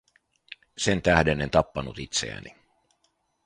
Sentähden en tappanut itseäni.